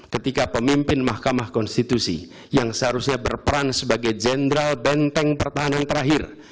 ketika pemimpin mahkamah konstitusi yang seharusnya berperan sebagai jenderal benteng pertahanan terakhir